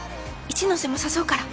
「一ノ瀬も誘うから」